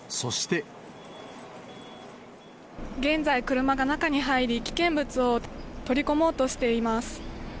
現在、車が中に入り、危険物を取り込もうとしています。